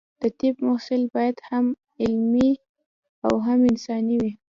د طب محصل باید هم علمي او هم انساني وي.